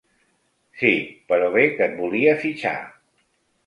Sí, però bé que et volia fitxar.